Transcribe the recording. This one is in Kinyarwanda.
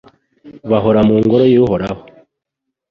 bahora mu Ngoro y’Uhoraho